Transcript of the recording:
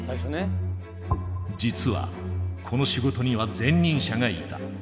実はこの仕事には前任者がいた。